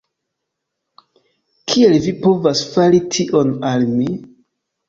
Kiel vi povas fari tion al mi?